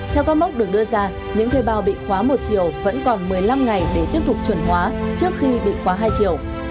theo con mốc được đưa ra những thuê bao bị khóa một chiều vẫn còn một mươi năm ngày để tiếp tục chuẩn hóa trước khi bị khóa hai triệu